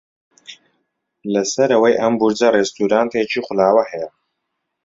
لە سەرەوەی ئەم بورجە ڕێستۆرانتێکی خولاوە هەیە.